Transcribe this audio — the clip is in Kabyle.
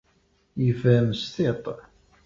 Yefhem s tiṭ.